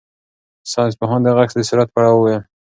ساینس پوهانو د غږ د سرعت په اړه وویل.